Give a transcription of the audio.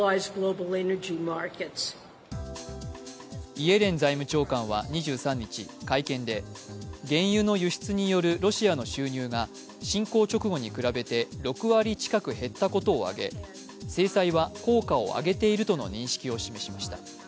イエレン財務長官は２３日、会見で原油の輸出によるロシアの収入が侵攻直後に比べて６割近く減ったことを挙げ制裁は効果を上げているとの認識を示しました。